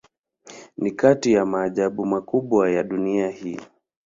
Ni kati ya maajabu makubwa ya dunia hii.